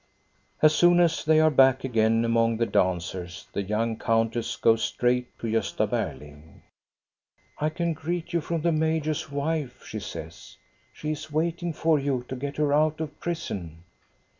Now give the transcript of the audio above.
As soon as they are back again among the dancers the young countess goes straight to Gosta Berling. I can greet you from the major's wife," she says. " She is waiting for you to get her out of prison."